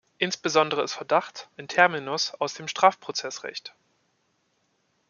Insbesondere ist "Verdacht" ein Terminus aus dem Strafprozessrecht.